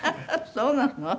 そうなの？